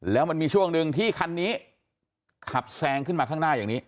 แล้วมันมีช่วงหนึ่งที่คันนี้ขับแซงขึ้นมาข้างหน้าอย่างนี้